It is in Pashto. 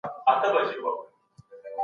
بنسټیزه څېړنې د علمي ذهنیت ته وده ورکوي.